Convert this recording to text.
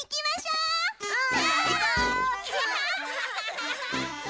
うん！